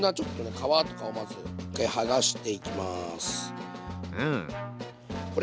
皮とかをまず一回剥がしていきます。